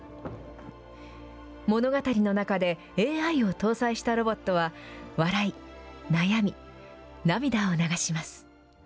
物語の中で、ＡＩを搭載したロボットは、笑い、悩み、涙を流します。